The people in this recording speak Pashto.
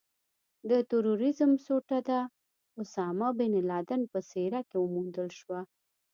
د ترورېزم سوټه د اسامه بن لادن په څېره کې وموندل شوه.